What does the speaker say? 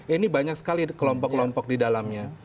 ini banyak sekali kelompok kelompok di dalamnya